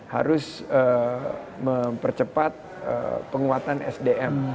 harus mempercepat penguatan sdm